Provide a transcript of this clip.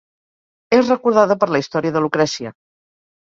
És recordada per la història de Lucrècia.